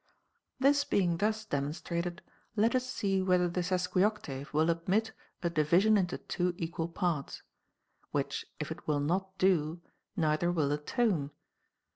18. This being thus demonstrated, let us see whether the sesquioctave will admit a division into two equal parts ; which if it will not do, neither will a tone.